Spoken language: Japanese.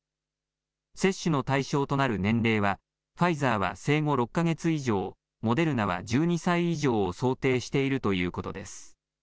接種の対象となる年齢はファイザーは生後６か月以上モデルナは１２歳以上を想定しているということです。